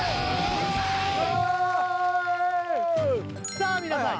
さあ皆さん